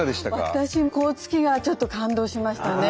私甲突川ちょっと感動しましたね。